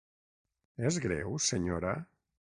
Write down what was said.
És greu, senyora?